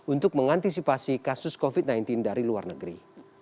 untuk mengantisipasi kasus covid sembilan belas dari luar negeri